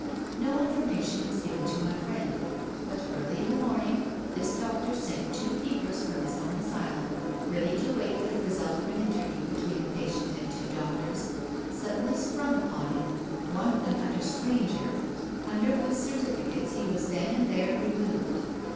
No information was given to my friend; but early in the morning this doctor sent two keepers from his own asylum, ready to wait for the result of an interview between the patient and two doctors, suddenly sprung upon him (one an utter stranger), under whose certificates he was then and there removed.